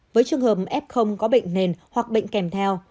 với trường hợp f có bệnh nền hoặc bệnh kèm theo